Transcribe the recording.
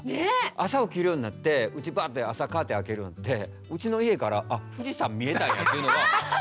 朝起きるようになってうちバーって朝カーテン開けるんでうちの家から「あ富士山見えたんや！」というのが。